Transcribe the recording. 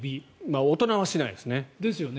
大人はしないですね。